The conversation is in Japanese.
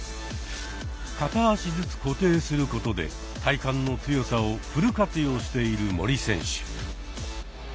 片足ずつ固定することで体幹の強さをフル活用している森選手。